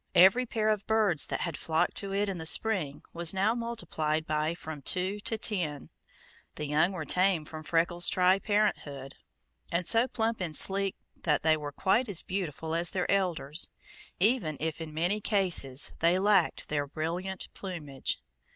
Every pair of birds that had flocked to it in the spring was now multiplied by from two to ten. The young were tame from Freckles' tri parenthood, and so plump and sleek that they were quite as beautiful as their elders, even if in many cases they lacked their brilliant plumage.